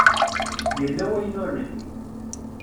Yella wayen ur nelli.